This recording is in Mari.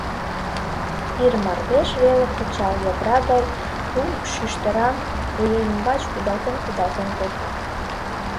Ир мардеж веле пычал ядра гай лум шӱштырам куэ ӱмбач кудалтен-кудалтен колта.